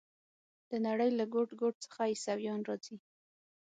د نړۍ له ګوټ ګوټ څخه عیسویان راځي.